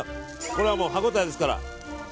これは歯応えですから。